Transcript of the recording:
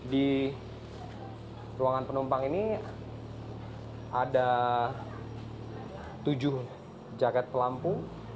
di ruangan penumpang ini ada tujuh jaket pelampu